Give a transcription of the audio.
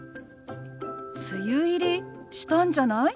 「梅雨入りしたんじゃない？」。